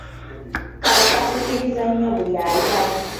Kano kasikiriza nnyo buli ayitawo!